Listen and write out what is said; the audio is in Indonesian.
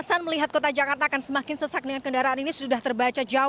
silahkan mila dengan informasinya